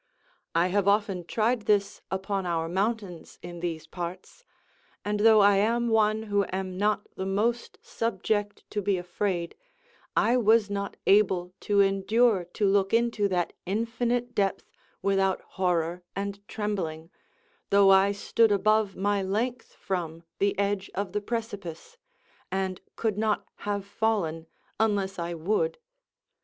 I have often tried this upon our mountains in these parts; and though I am one who am not the most subject to be afraid, I was not able to endure to look into that infinite depth without horror and trembling, though I stood above my length from the edge of the precipice, and could not have fallen unless I would.